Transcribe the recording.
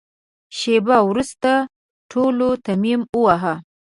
شېبه وروسته ټولو تيمم وواهه.